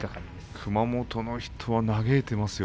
熊本の人は嘆いていますよ。